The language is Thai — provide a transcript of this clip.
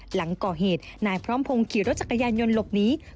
หลังก่อเหตุนายพร้อมพงศ์ขี่รถจักรยานยนต์หลบหนี